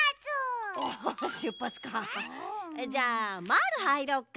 じゃあまぁるはいろうか。